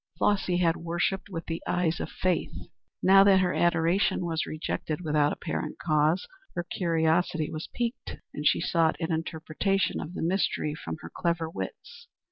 Flossy had worshipped with the eyes of faith. Now that her adoration was rejected without apparent cause, her curiosity was piqued, and she sought an interpretation of the mystery from her clever wits.